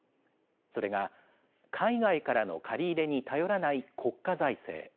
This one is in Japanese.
それが海外からの借り入れに頼らない国家財政。